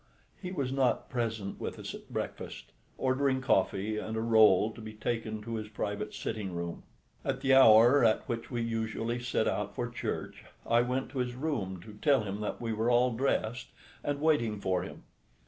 He was not present with us at breakfast, ordering coffee and a roll to be taken to his private sitting room. At the hour at which we usually set out for church I went to his room to tell him that we were all dressed and waiting for him.